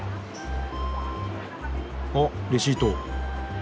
あっレシート。